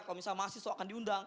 kalau misalnya mahasiswa akan diundang